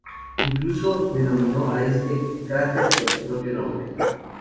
Incluso denominó a este cráter con su propio nombre.